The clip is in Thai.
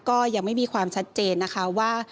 ก็ยังไม่มีความชัดเจนนะคะว่า